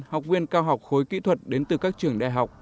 học viên cao học khối kỹ thuật đến từ các trường đại học